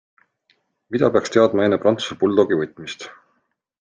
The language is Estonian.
Mida peaks teadma enne prantsuse buldogi võtmist?